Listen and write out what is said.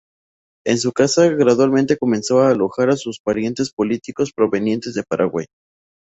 En su casa gradualmente comenzó a alojar a sus parientes políticos provenientes del Paraguay.